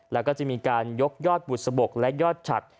แล้วก็จะมีการยกยอดบุษบกและยอดฉัด